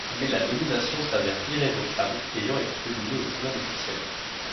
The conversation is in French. Mais la nomination s'avère irrévocable, ayant été publié au journal officiel.